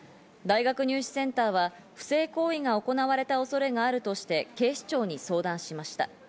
入試センターは不正行為が行われた恐れがあるとして、警視庁に相談しました。